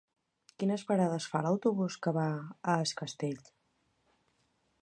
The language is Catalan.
Quines parades fa l'autobús que va a Es Castell?